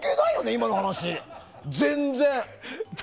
今の話、全然。